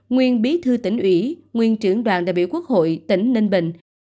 nguyên bí thư tỉnh ủy nguyên trưởng đoàn đại biểu quốc hội tỉnh ninh bình